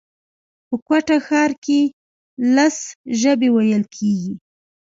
په کوټه ښار کښي لس ژبي ویل کېږي